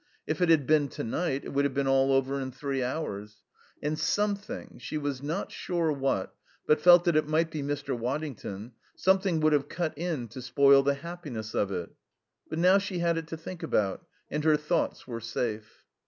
If it had been to night it would have been all over in three hours. And something she was not sure what, but felt that it might be Mr. Waddington something would have cut in to spoil the happiness of it. But now she had it to think about, and her thoughts were safe.